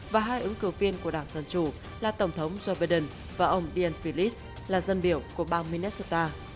và hai ứng cử viên của đảng dân chủ là tổng thống joe biden và ông dianne phillips là dân biểu của bang minnesota